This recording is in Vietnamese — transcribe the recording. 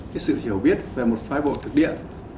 cái sự hiểu biết về một phái bộ thực địa